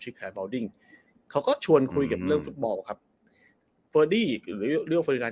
ชื่อครับเขาก็ชวนคุยกับเรื่องฟุตบอลครับเฟอร์ดิหรือเรียวเฟอร์ดินาน